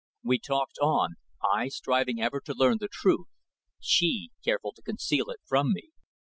We talked on, I striving ever to learn the truth, she careful to conceal it from me.